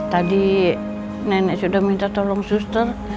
tadi nenek sudah minta tolong suster